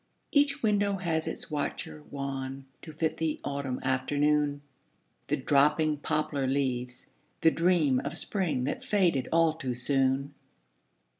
Each window has its watcher wan To fit the autumn afternoon, The dropping poplar leaves, the dream Of spring that faded all too soon.